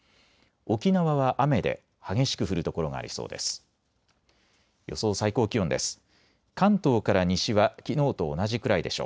沖縄は雨で激しく降る所がありそうです。